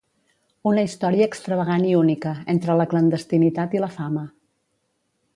Una història extravagant i única, entre la clandestinitat i la fama.